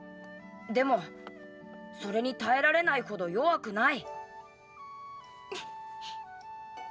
でもそれに耐えられないほど弱くない。